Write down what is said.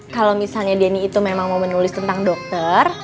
kalo misalnya denny itu mau menulis tentang dokter